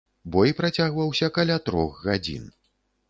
Бой працягваўся каля трох гадзін.